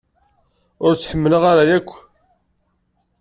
Ur tt-ḥemmleɣ ara akk.